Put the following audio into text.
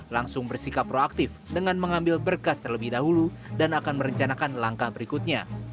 langsung bersikap proaktif dengan mengambil berkas terlebih dahulu dan akan merencanakan langkah berikutnya